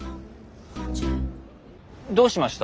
どうしました？